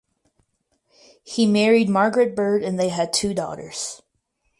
He married Margaret Bird and they had two daughters.